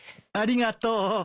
ありがとう。